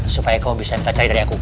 supaya kamu bisa mencari dari aku